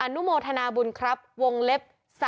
นุโมทนาบุญครับวงเล็บ๓